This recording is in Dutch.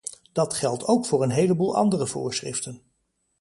Dat geldt ook voor een heleboel andere voorschriften.